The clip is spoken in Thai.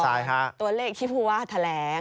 ตัวเลขที่ผู้ว่าแถลง